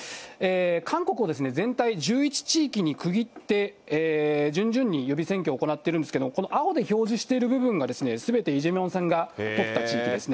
韓国を全体１１地域に区切って、順々に予備選挙を行っているんですが、この青で表示している部分が、すべてイ・ジェミョンさんが取った地域ですね。